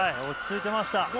落ち着いてました。